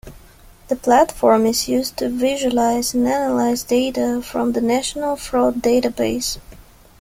The platform is used to visualize and analyze data from the National Fraud Database.